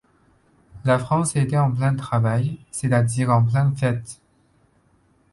La France était en plein travail, c'est-à-dire en pleine fête.